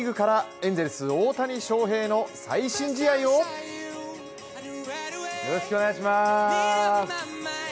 エンゼルス・大谷翔平の最新試合をよろしくお願いします！